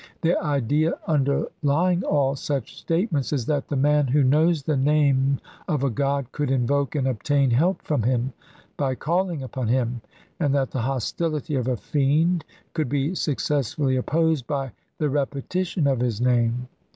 The idea underlying all such statements is that the man who knows the name of a god could invoke and obtain help from him by calling upon him, and that the hostility of a fiend could be successfully opposed by the re petition of his name.